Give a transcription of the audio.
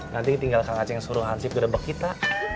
nanti tinggal kang acing suruh hansip kerebek kita